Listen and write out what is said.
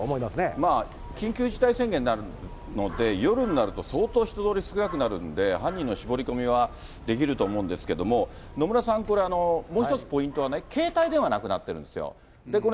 まあ、緊急事態宣言になるので、夜になると相当、人通り少なくなるんで、犯人の絞り込みはできると思うんですけども、野村さん、もう一つポイントはね、携帯電話、なくなっているんですよ。